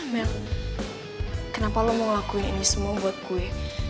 met kenapa lo mau ngelakuin ini semua buat gue